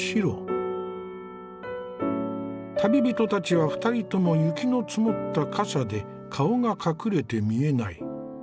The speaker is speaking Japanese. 旅人たちは２人とも雪の積もった笠で顔が隠れて見えない。